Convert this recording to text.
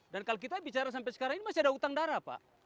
dan kalau kita bicara sampai sekarang ini masih ada utang darah pak